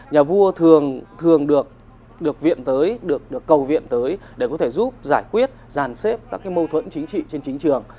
nhà vua thường thường được viện tới được cầu viện tới để có thể giúp giải quyết giàn xếp các mâu thuẫn chính trị trên chính trường